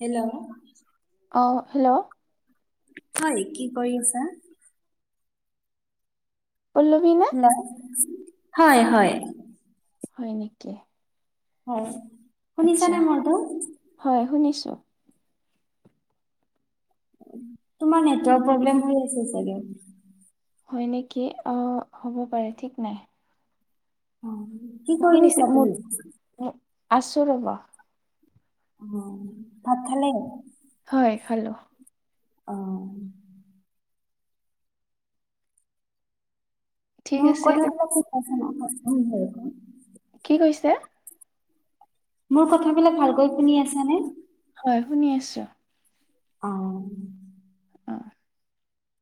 Hello? অ, hello? হয়, কি কৰি আছা? পলবি ন? [unintelligible] হয়, হয়। হয়, নেকি। হয়। আচ্ছা শুনিছানে মোৰতো? হয়, শুনিছোঁ। তোমাৰ নেটৱৰ্ক প্ৰব্লেম হৈ আছে চাগে। হয় নেকি অ, হ'ব পাৰে, ঠিক নাই। অ'। কি কৰি শুনিছে আছা তুমি? মোৰ আছো ৰ'ব। উ, ভাত খালে? হয়, খালো। অ'। ঠিক মোৰ আছে ক কি কৈছে? মোৰ কথাবিলাক ভালকৈ শুনি আছানে? হয়, শুনি আছো। অ'। অ'।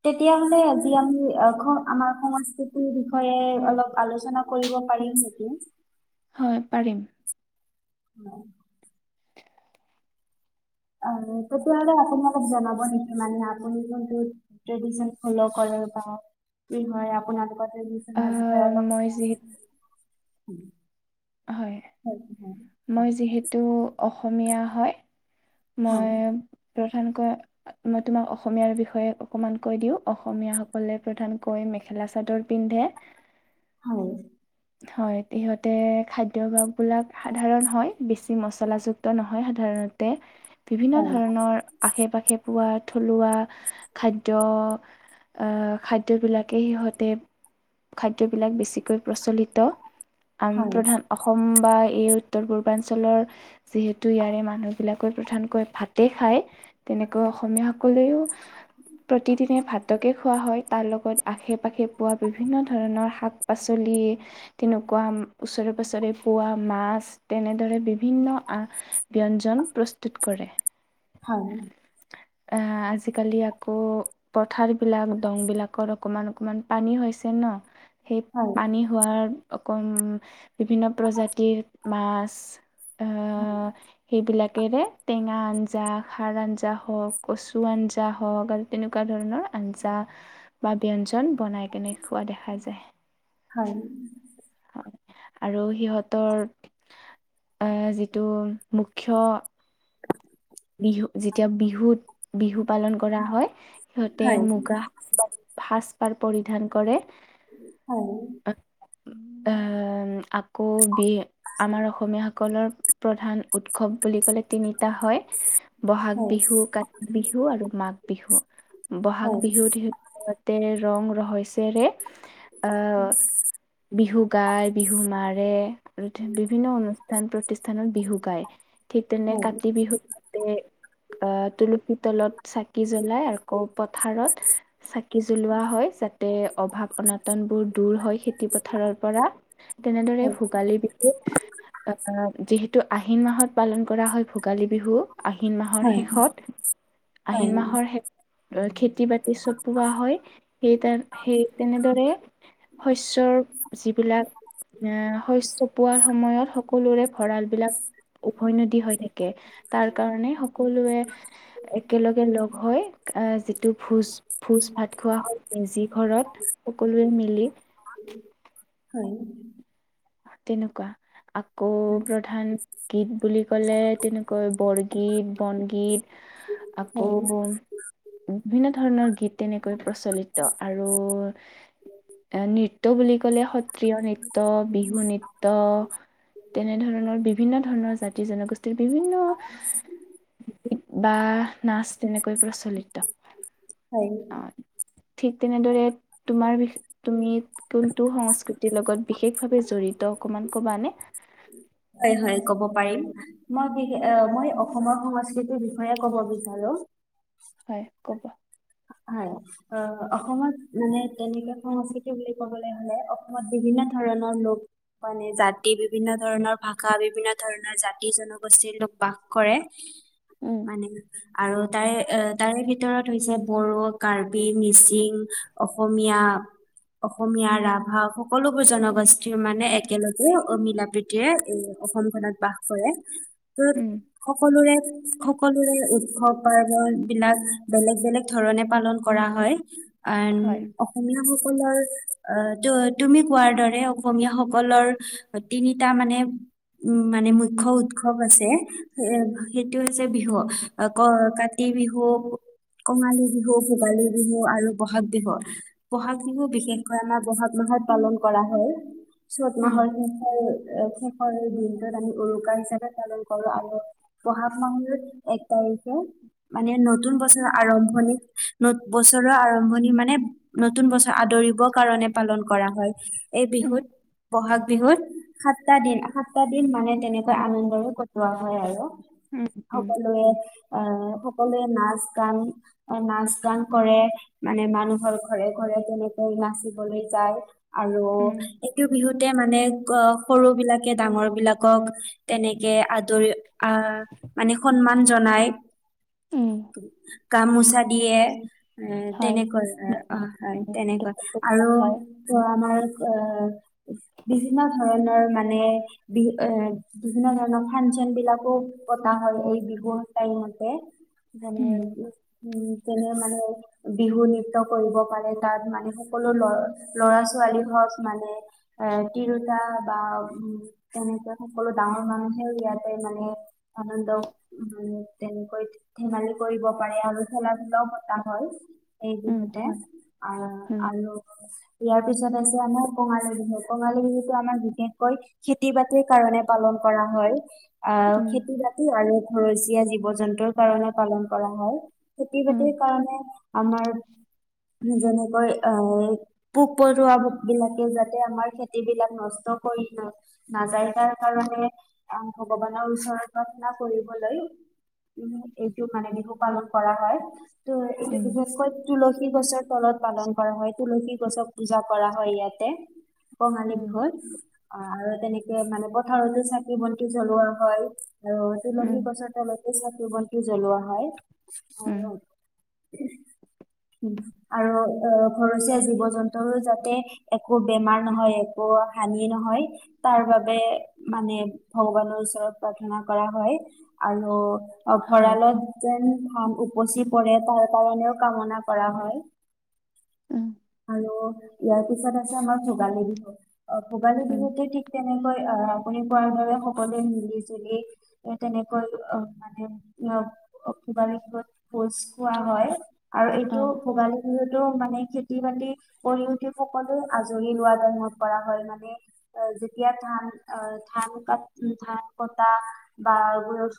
তেতিয়াহলে আজি আমি আমাৰ সংস্কৃতিৰ বিষয়ে অলপ আলোচনা কৰিব পাৰিম নেকি? হয়, পাৰিম। উ। অ, তেতিয়াহ'লে আপুনি অলপ জনাব নেকি মানে আপুনি কোনটো ট্ৰেদিচন ফল' কৰে বা কি হয় আপোনালোকৰড [inaudible] আহ মই যিহেতু হয়। হয়, হয়। মই যিহেতু অসমীয়া হয় মই হয় প্ৰধানকৈ মই তোমাক অসমীয়াৰ বিষয়ে অকণমান কৈ দিওঁ অসমীয়াসকলে প্ৰধানকৈ মেখেলা চাদৰ পিন্ধে। হয়। হয় সিহঁতে খাদ্যয়ভাস বিলাক সাধাৰণ হয় বেছি মচলাযুক্ত নহয় সাধাৰণতে বিভিন্ন ধৰণৰ আশে পাশে পোৱা থলুৱা খাদ্য আহ খাদ্য বিলাকে সিহঁতে খাদ্য বিলাক বেছিকৈ প্ৰচলিত [unintelligible] হয় প্ৰধান অসম বা এই উত্তৰ পূৰ্বাঞ্চলৰ যিহেতু ইয়াৰে মানুহবিলাকে প্ৰধানকৈ ভাতে খায়। তেনেকৈ অসমীয়াসকলেও প্ৰতিদিনে ভাতকে খোৱা হয় তাৰ লগত আশে পাশে পোৱা বিভিন্ন ধৰণৰ শাক পাচলি। তেনেকুৱা ওচৰে পাঁজৰে পোৱা মাছ তেনেদৰে বিভিন্ন বঞ্জন প্ৰস্তুত কৰে। হয় আজিকালি আকৌ পথাৰ বিলাক দং বিলাকৰ অকমান অকমান পানী হৈছে ন। সেই হয় পানী হোৱাৰ অকণ বিভিন্ন প্ৰজাতিৰ মাছ হয় আহ সেইবিলাকেৰে টেঙা আঞ্জা খাৰ আঞ্জা হওক কচু আঞ্জা হওক আৰু তেনেকুৱা ধৰণৰ আঞ্জা বা ব্যঞ্জন বনাই কেনে খোৱা দেখা যায়। হয়। আৰু সিহঁতৰ যিটো মুখ্য বিহু যেতিয়া বিহুত বিহু পালন কৰা হয় সিহঁতে হয় হয় মুগা সাজপাৰ পৰিধান কৰে। হয়। এ আকৌ বি আমাৰ অসমীয়াসকলৰ প্ৰধান উৎসৱ বুলি ক'লে তিনিটা হয়। বহাগ হয় হয় হয় হয় হয় বিহু কাতি বিহু আৰু মাঘ বিহু বহাগ বিহুত লগতে ৰং ৰহয়ছেৰে [inaudible] বিহু গায় বিহু মাৰে আৰু বিভিন্ন অনুষ্ঠান প্ৰতিষ্ঠানত বিহু গায়। ঠিক তেনে হয় কাতি বিহু তাতে আহ তুলসী তলত চাকি জ্বলাই আকৌ পথাৰত চাকি জ্বলোৱা হয়। যাতে অভাৱ অনাটন বোৰ দূৰ হয় খেতি পথাৰৰ পৰা তেনেদৰে ভোগালী বিহু আহ যিহেতু আহিন মাহত পালন কৰা হয় ভোগালী বিহু। আহিন মাহৰ শেষত হয় আহিন মাহৰ শেষ খেতি বাতি চপোৱা হয় সেই ত সেই তেনেদৰে শস্যৰ যিবিলাক এ শস্য পোৱাৰ সময়ত সকলোৰে ভঁৰাল বিলাক উভৈ নদী হৈ থাকে তাৰ কাৰণে সকলোৱে একেলগে লগ হৈ আহ যিটো ভোজ। ভোজ ভাত খোৱা হয় মেজি ঘৰত সকলোৱে মিলি। হয়। তেনেকুৱা আকৌ প্ৰধান গীত বুলি ক'লে তেনেকৈ বৰগীত বনগীত আকৌ হয় বিভিন্ন ধৰণৰ গীত তেনেকৈ প্ৰচলিত। আৰু এ নৃত্য বুলি ক'লে সত্ৰীয়া নৃত্য বিহু নৃত্য তেনেধৰণৰ বিভিন্ন ধৰণৰ জাতি জনগোষ্ঠীৰ বিভিন্ন গীত বা নাচ তেনেকৈ প্ৰচলিত। হয়। অ' ঠিক তেনেদৰে তোমাৰ তুমি কোনটো সংস্কৃতিৰ লগত বিশেষ ভাৱে জড়িত অকমান কবা নে? হয় হয় ক'ব পাৰিম। মই বিশ মই অসমৰ সংস্কৃতিৰ বিষয়ে কব বিচাৰো। হয় কবা। হয়। আহ অসমত মানে তেনেকে সংস্কৃতি বুলি ক'বলৈ হ'লে অসমত বিভিন্ন ধৰণৰ লোক মানে জাতি, বিভিন্ন ধৰণৰ ভাষা, বিভিন্ন ধৰণৰ জাতি-জনগোষ্ঠীৰ লোক বাস কৰে। উম। মানে আৰু তাৰে এ তাৰে ভিতৰত হৈছে বড়ো, কাৰ্বি, মিচিং, অসমীয়া অসমীয়া, ৰাভা সকলোবোৰ জনগোষ্ঠীৰ মানে একেলগে মিলাপ্ৰতি এই অসমখনত বাস কৰে। ত উম, সকলোৰে, সকলোৰে উৎসৱ পাৰ্বন বিলাক বেলেগ বেলেগ। ধৰণে পালন কৰা হয়। এন হয় অসমীয়াসকলৰ আহ ত তুমি কোৱাৰ দৰে অসমীয়াসকলৰ তিনিটা মানে উ মানে মুখ্য উৎসৱ আছে। এ সেইটো হৈছে বিহু ক কাতি বিহু কঙালী বিহু, ভোগালী বিহু আৰু বহাগ বিহু। বহাগ বিহু বিশেষকৈ আমাৰ বহাগ মাহত পালন কৰা হয়। চ'ত উম। মাহৰ শেষৰ শেষৰ দিনটোত আমি উৰুকা হিচাপে পালন কৰোঁ আৰু বহাগ মাহৰ এক তাৰিখে মানে নতুন বছৰ আ আৰম্ভণিত, বছৰৰ আৰম্ভণি মানে নতুন বছৰ আদৰিবৰ কাৰণে পালন কৰা হয়। এই উম। বিহুত ব'হাগ বিহুত সাতটা দিন সাতটা দিন মানে তেনেকৈ আনন্দৰে কটোৱা হয় আৰু। উম, উম, সকলোৱে আহ সকলোৱে নাচ, গান, নাচ-গান কৰে। মানে মানুহৰ ঘৰে ঘৰে তেনেকৈ নাচিবলৈ যায়। আৰু উম। এইটো বিহুতে মানে সৰু বিলাকে ডাঙৰ বিলাকক তেনেকে আদৰি আহ মানে সন্মান জনায়। উম। গামোচা দিয়ে, এ হয়। তেনেকৈ অ হয়, তেনেকৈ আৰু হয় ত আমাৰ অ বিভিন্ন ধৰণৰ মানে বিহু এ বিভিন্ন ধৰণৰ ফানচোন বিলাকো পতা হয় এই বিহুৰ টাইমতে। যেনে উম, উ তেনে মানে বিহু নৃত্য কৰিব পাৰে তাত মানে সকলো ল'ৰা ছোৱালী হওক মানে এ তিৰোতা বা উ তেনেকে সকলো ডাঙৰ মানুহেও ইয়াতে মানে আনন্দ উ তেনেকৈ ধেমালি কৰিব পাৰে আৰু খেলা-ধূলাও পতা হয়। উম, এইবিহুতে হয় আ উম, আৰু ইয়াৰ পিছত আছে আমাৰ কঙালী বিহুৰ, কঙালী বিহুতটো আমাৰ বিশেষকৈ খেতি-বাতিৰ কাৰনে পালন কৰা হয়। আহ উম, খেতি-বাতি আৰু ঘৰচীয়া জীৱ-জন্তুৰ কাৰণে পালন কৰা হয়। উম, খেতি-বাতিৰ কাৰণে আমাৰ যেনেকৈ এ পোক-পৰুৱা বিলাকে যাতে আমাৰ খেতি-বিলাক নষ্ট কৰি ন নাযাই। তাৰ কাৰণে ভগৱানৰ ওচৰত প্ৰাৰ্থনা কৰিবলৈ উ এইটো মানে বিহু পালন কৰা হয়। ত' এইটো উম, বিশেষকৈ তুলসী গছৰ তলত পালন কৰা হয়। তুলসী গছক পূজা কৰা হয় ইয়াতে। কঙালী উম। বিহুত অ আৰু তেনেকে মানে পথাৰতে চাকি-বন্তি জ্বলোৱা হয়। আৰু তুলসী উম, গছৰ তলতে চাকি ধুপ বন্তি জ্বলোৱা হয় উম। আৰু [unintelligible] আৰু অ', ঘৰচীয়া জীৱ জন্তুৰো যাতে একো বেমাৰ নহয়, একো হানি নহয় তাৰ বাবে মানে, ভগৱানৰ ওচৰত প্ৰাৰ্থনা কৰা হয়, আৰু অ', হয় ভঁৰালত যেন ধাম উপচি পৰে তাৰ কাৰণেও কামনা কৰা হয়। উম। আৰু ইয়াৰ পিছত আছে আমাৰ ভোগালী বিহু অ' ভোগালী উম, বিহুতে কি তেনেকৈ আহ আপুনি কোৱাৰ দৰে সকলোৱে মিলি জুলি তেনেকৈ আহ মানে অ', ভোগালী বিহুত ভোজ খোৱা হয়। আৰু এইটো অ' ভোগালী বিহুত টো মানে খেতি বাতি কৰি উঠি সকলো আজৰি হোৱা টাইমত কৰা হয় মানে যেতিয়া ধান অ', ধান ক ধান কটা বা,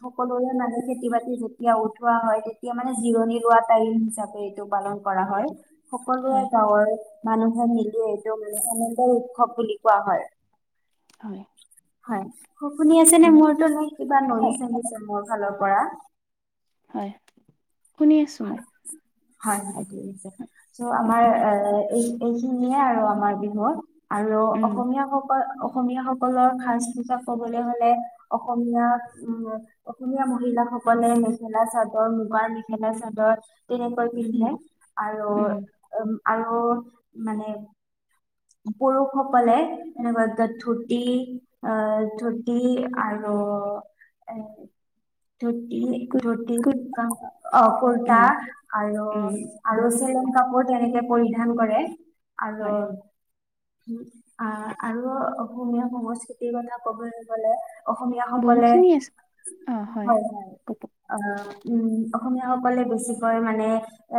সকলোৰে মানে খেতি বাতি যেতিয়া উঠোৱা হয় তেতিয়া মানে জিৰণি লোৱা টাইম হিচাপে এইটো পালন কৰা হয়। সকলোৱে হয়, গাঁৱৰ মানুহে মিলি [unintelligible] আনন্দৰ উৎসৱ বুলি কোৱা হয়। হয়। হয়, শু-শুনি আছে নে উম, মোৰতো? ন' কিবা হয়। [unintelligible] মোৰ ফালৰপৰা। হয়, শুনি আছোঁ মই। হয় [unintelligible] চ ' আমাৰ অ', এ-এই এইখিনিয়ে আৰু আমাৰ বিহু আৰু উম অসমীয়া সকল অসমীয়াসকলৰ সাজ পোছাক কবলৈ হলে অসমীয়া [unintelligible] অসমীয়া মহিলাসকলে মেখেলা চাদৰ মুগাৰ মেখেলা চাদৰ তেনেকৈ উম পিন্ধে আৰু উম আৰু উম, আৰু মানে পুৰুষসকলে এনেকুৱা [unintelligible] ধুতি অ', ধুতি আৰু এ ধুটি কুট ধুটি কুট [unintelligible] অ', কুৰ্তা উম আৰু উম আৰু চেলং কাপোৰ তেনেকে পৰিধান কৰে হয় আৰু আহ, আৰু অসমীয়া সংস্কৃতিৰ কথা ক'বলৈ গ'লে অসমীয়া সকলে বহুখিনি আছে অ', হয়, ক অ', উম, অসমীয়াসকলে বেছিকৈ মানে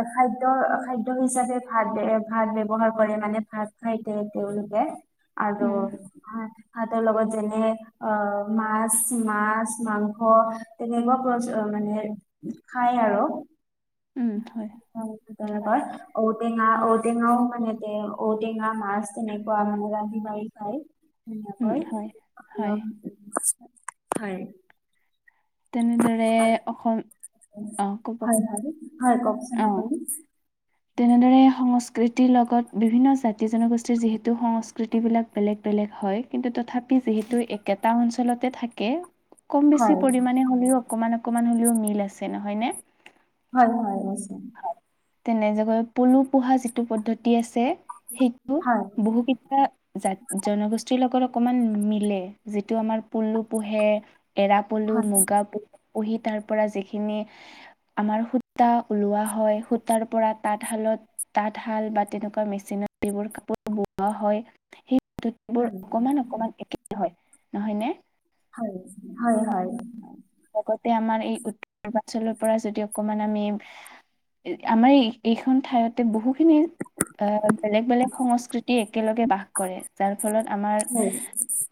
এ খাদ্য খাদ্য হিচাপে ভাত ভাত ব্যৱহাৰ কৰে মানে ভাত খাইতে তেওঁলোকে। আৰু উম আৰু [unintelligible] লগত যেনে অ', মাছ মাছ মাংস তেনেকুৱা প্ৰ মানে খাই আৰু। উম, হয়। [unintelligible] হয় তেনেকৈ ঔটেঙা ঔটেঙাও মানে তে ঔটেঙা মাছ টেনেকুৱা মানে [unintelligible] খায়। উম হয় হয় [unintelligible] হয়। তেনেদৰে অসম অ ক'ব হয়, হয়, হয় কওকচোন অ আপুনি। তেনেদৰে সংস্কৃতিৰ লগত বিভিন্ন জাতি জনগোষ্ঠীৰ যিহেতু সংস্কৃতিবিলাক বেলেগ বেলেগ হয় কিন্তু তথা পি যিহেতু একেটা অঞ্চলতে থাকে কম বেছি হয়, পৰিমাণে হ'লেও অকমান অকমান হ'লেও মিল আছে নহয় নে? হয়, হয়, আছে। তেনেযেগৈ পলু পোহা যিটো পদ্ধতি আছে সেইটো হয়, বহুকিটা জা-জনগোষ্ঠীৰ লগত অকমান মিলে যিটো আমাৰ পুলু পোহে এৰাহহ পলু হয়, মুগা পুহি তাৰ পৰা যিখিনি আমাৰ সূতা ওলোৱা হয়, সূতাৰ পৰা তাঁতশালত। তাঁতশাল বা, তেনেকুৱা মেচিনত যিবোৰ কাপোৰ বোৱা হয়। সেই কাপোৰবোৰ অকমান অকমান একেই হয়, নহয় নে। হয়। হয় হয়। লগতে আমাৰ এই পূৰ্বাঞ্চলৰ পৰা যদি অকমান আমি, আমাৰ এইখন ঠাইত- ত বহুখিনি- অ', বেলেগ বেলেগ সংস্কৃতি একেলগে বাস কৰে। যাৰ ফলত আমাৰ হয়,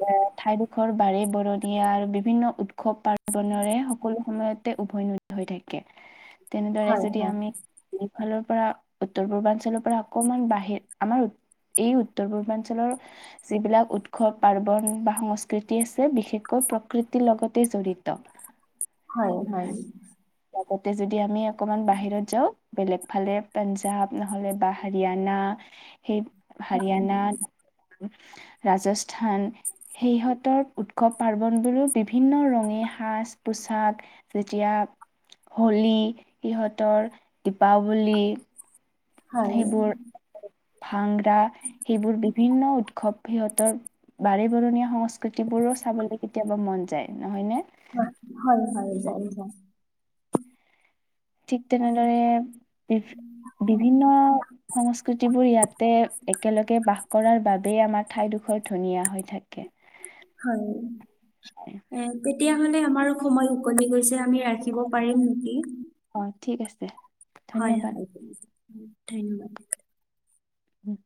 এ ঠাইডোখৰ বাৰে-বৰণীয়া আৰু বিভিন্ন উৎসৱ-পাৰ্বণেৰে, সকলো সময়তে উভৈনদী হৈ থাকে। তেনেদৰে হয়, যদি হয়, আমি সিফালৰ পৰা উত্তৰ-পূৰ্বাঞ্চলৰ পৰা অকমান বাহিৰ, আমাৰ- এই উত্তৰ-পূৰ্বাঞ্চলৰ, যিবিলাক উৎসৱ পাৰ্বন বা সংস্কৃতি আছে। বিশেষকৈ প্ৰকৃতিৰ লগতে জড়িত ত। হয় হয়। লগতে যদি আমি অকমান বাহিৰত যাওঁ। বেলেগফালে পাঞ্জাৱ নহ'লে বা হাৰিয়ানা সেই হয়, হাৰিয়ানা, ৰাজস্থান, সিহঁতৰ উৎসৱ পাৰ্বণবোৰো বিভিন্ন ৰঙী সাজ-পোছাক যেতিয়া হোলী, সিহঁতৰ দীপাৱলী হয়, সেইবোৰ- হাংৰা, সেইবোৰ বিভিন্ন উৎসৱ সিহঁতৰ- বাৰে বৰণীয়া সংস্কৃতিবোৰো চাবলৈ কেতিয়াবা মন যায়। নহয়নে। হয়। হয় হয়, যায় যায়। ঠিক অ', তেনেদৰে, বি হয়, বিভিন্ন সংস্কৃতিবোৰ ইয়াতে একেলগে বাস কৰাৰ বাবেই। আমাৰ ঠাইডোখৰ ধুনীয়া হৈ থাকে। হয়। এ তেতিয়াহ'লে আমাৰ সময় উকলি গৈছে। আমি ৰাখিব পাৰিম নেকি? অ', ঠিক আছে। হয় ধন্যবাদ। হয়, ধন্যবাদ। উম্,